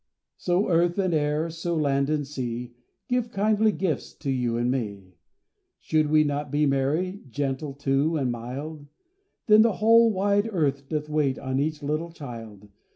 So earth and air, so land and sea Give kindly gifts to you and me. Should we not be merry, Gentle, too, and mild? Then the whole wide earth doth wait On each little child.